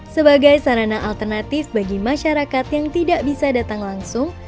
sebagai sarana alternatif bagi masyarakat yang tidak bisa datang langsung